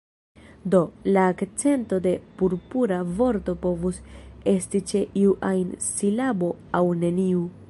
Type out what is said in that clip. Do, la akcento en "Purpura" vorto povus esti ĉe iu ajn silabo aŭ neniu.